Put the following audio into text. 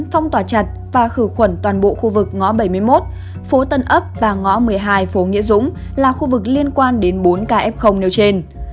phong tỏa chặt và khử khuẩn toàn bộ khu vực ngõ bảy mươi một phố tân ấp và ngõ một mươi hai phố nghĩa dũng là khu vực liên quan đến bốn k nêu trên